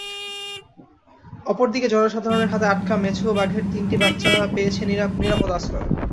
অপরদিকে জনসাধারণের হাতে আটক মেছো বাঘের তিনটি বাচ্চা পেয়েছে নিরাপদ আশ্রয়।